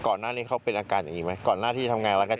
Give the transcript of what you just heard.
ก่อนหน้านี้เขาเป็นอาการอย่างนี้ไหมก่อนหน้าที่ทำงานแล้วกัน